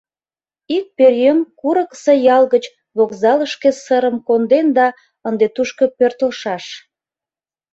Ик пӧръеҥ курыкысо ял гыч вокзалышке сырым конден да ынде тушко пӧртылшаш.